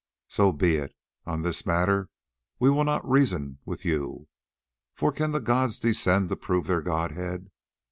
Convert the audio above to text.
So be it: on this matter we will not reason with you, for can the gods descend to prove their godhead?